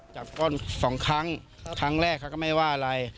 ก้นสองครั้งครั้งแรกเขาก็ไม่ว่าอะไร